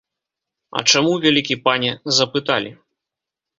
А чаму, вялікі пане, запыталі?